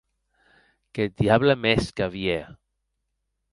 Qu’eth diable me hesque a vier!